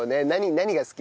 何が好き？